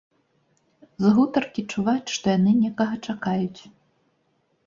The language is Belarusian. З гутаркі чуваць, што яны некага чакаюць.